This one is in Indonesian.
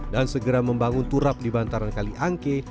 dan segera membangun turap di bantaran kali angke